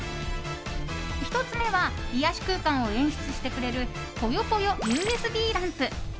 １つ目は癒やし空間を演出してくれるポヨポヨＵＳＢランプ。